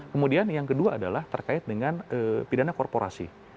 kemudian yang kedua adalah terkait dengan pidana korporasi